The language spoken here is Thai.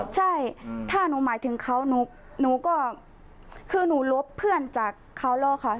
ใช่ถ้าหนูหมายถึงเขาหนูก็คือหนูลบเพื่อนจากเขาแล้วค่ะ